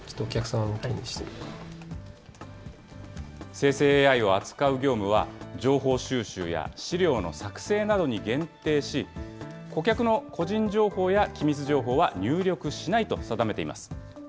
生成ＡＩを扱う業務は、情報収集や資料の作成などに限定し、顧客の個人情報や機密情報は入力しないと定めています。